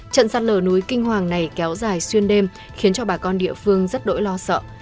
trận sạt lở núi kinh hoàng này kéo dài xuyên đêm khiến cho bà con địa phương rất đổi lo sợ